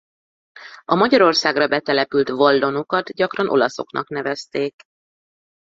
A Magyarországra betelepült vallonokat gyakran olaszoknak nevezték.